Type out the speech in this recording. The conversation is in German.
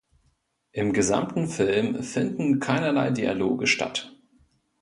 Im gesamten Film finden keinerlei Dialoge statt.